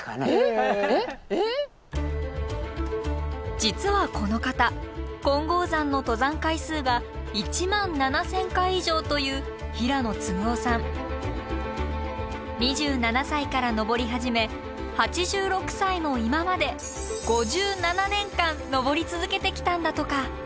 実はこの方金剛山の登山回数が１万７，０００回以上という２７歳から登り始め８６歳の今まで５７年間登り続けてきたんだとか。